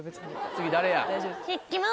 次誰や？